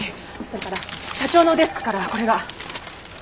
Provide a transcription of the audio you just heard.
それから社長のデスクからこれが。